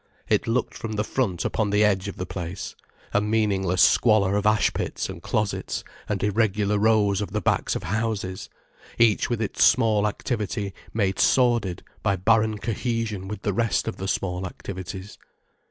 It looked from the front upon the edge of the place, a meaningless squalor of ash pits and closets and irregular rows of the backs of houses, each with its small activity made sordid by barren cohesion with the rest of the small activities.